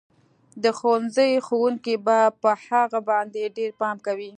د ښوونځي ښوونکي به په هغه باندې ډېر پام کوي